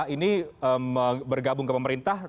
ini bergabung ke pemerintah